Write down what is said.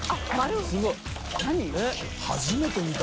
すごい。